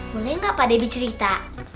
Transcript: boleh nggak pak debbie cerita